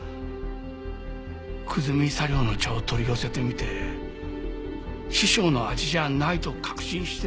久住茶寮の茶を取り寄せてみて師匠の味じゃないと確信して。